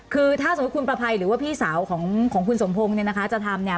คือถ้าสมมติคุณประภัยหรือว่าพี่สาวของคุณสมพงฯจะทำ